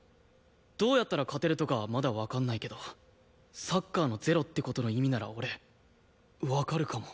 どうやったら勝てるとかはまだわかんないけど「サッカーの０」って事の意味なら俺わかるかも。